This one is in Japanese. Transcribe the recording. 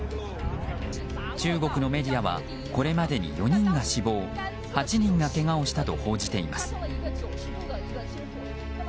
中国のメディアはこれまでに４人が死亡８人がけがをしたと報じています。